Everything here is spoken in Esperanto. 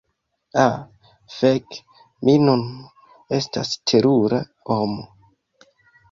Ah fek' mi nun estas terura homo